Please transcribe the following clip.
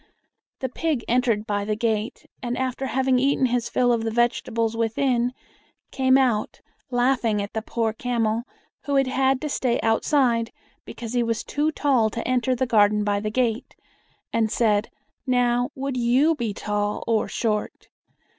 The pig entered by the gate, and, after having eaten his fill of the vegetables within, came out, laughing at the poor camel, who had had to stay outside, because he was too tall to enter the garden by the gate, and said, "Now, would you be tall or short?"